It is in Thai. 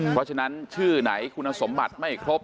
เพราะฉะนั้นชื่อไหนคุณสมบัติไม่ครบ